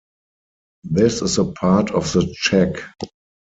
This is a part of the check.